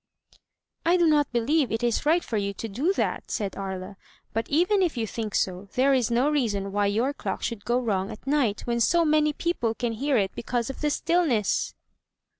"I do not believe it is right for you to do that," said Aria; "but even if you think so, there is no reason why your clock should go wrong at night, when so many people can hear it be cause of the stillness."